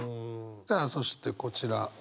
さあそしてこちら。